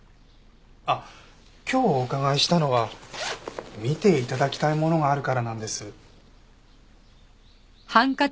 あっ今日お伺いしたのは見て頂きたいものがあるからなんです。